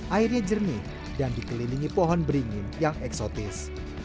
airnya jernih dan dikelilingi pohon beringin yang eksotis